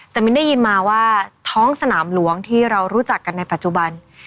แต่มินได้ยินมาว่าท้องสนามหลวงที่เรารู้จักกันในปัจจุบัน